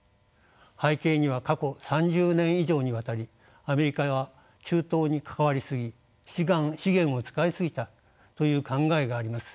背景には過去３０年以上にわたりアメリカは中東に関わり過ぎ資源を使い過ぎたという考えがあります。